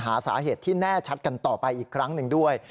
หาสาเหตุที่แน่ชัดกันต่อไปอีกครั้งหนึ่งด้วย